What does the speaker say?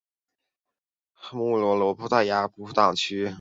穆罗是葡萄牙波尔图区的一个堂区。